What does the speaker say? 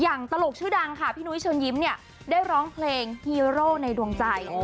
ตลกชื่อดังค่ะพี่นุ้ยเชิญยิ้มเนี่ยได้ร้องเพลงฮีโร่ในดวงใจ